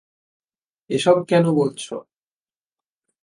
এসব কেন বলছো?